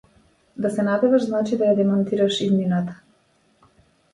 Да се надеваш значи да ја демантираш иднината.